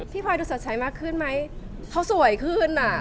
พลอยดูสดใสมากขึ้นไหมเขาสวยขึ้นอ่ะ